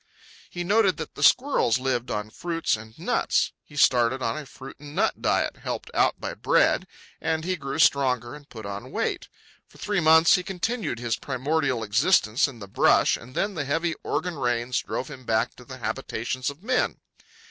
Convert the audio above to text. He noted that the squirrels lived on fruits and nuts. He started on a fruit and nut diet, helped out by bread, and he grew stronger and put on weight. For three months he continued his primordial existence in the brush, and then the heavy Oregon rains drove him back to the habitations of men.